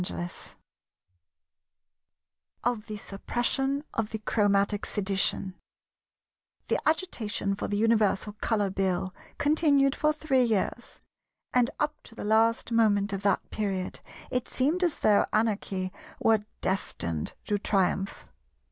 § 10 Of the Suppression of the Chromatic Sedition The agitation for the Universal Colour Bill continued for three years; and up to the last moment of that period it seemed as though Anarchy were destined to triumph.